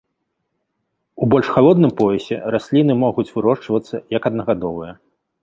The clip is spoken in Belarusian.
У больш халодным поясе расліны могуць вырошчвацца як аднагадовыя.